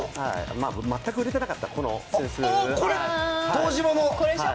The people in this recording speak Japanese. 全く売れてなかった、この扇子。